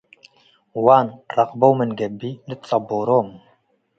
OnE ረቅበው ምን ገብእ ልትጸቦሮም ።